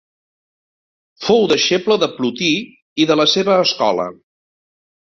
Fou deixeble de Plotí i de la seva escola.